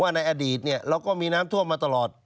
ว่าในอดีตเนี่ยเราก็มีน้ำท่วมมาตลอด